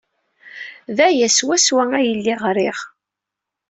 D aya swaswa ay lliɣ riɣ.